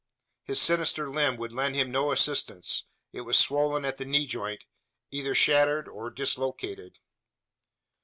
His sinister limb would lend him no assistance: it was swollen at the knee joint either shattered or dislocated.